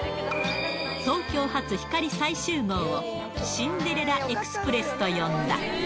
東京発ひかり最終号を、シンデレラ・エクスプレスと呼んだ。